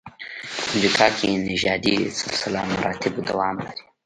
امریکا کې نژادي سلسله مراتبو دوام لري.